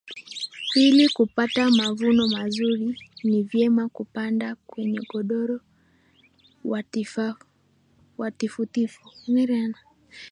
ili kupata mavuno mazuri ni vyema kupanda kwenye udongo wa tifutifu